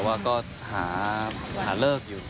ว่าก็หาเลิกอยู่